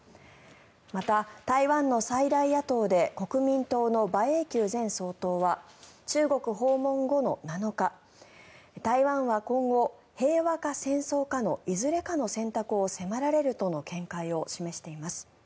また、台湾の最大野党で国民党の馬英九前総統は中国訪問後の７日台湾は今後、平和か戦争かのいずれかの選択を迫られるとの見解を示しています。